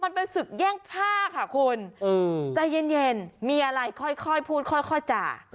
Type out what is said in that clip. มันเป็นศึกแย่งผ้าค่ะคุณใจเย็นมีอะไรค่อยพูดค่อยจ่า